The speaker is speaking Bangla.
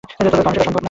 কারণ সেটা সম্ভব না।